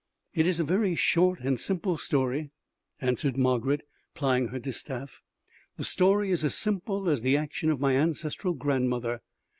"It is a very short and simple story," answered Margarid plying her distaff. "The story is as simple as the action of my ancestral grandmother.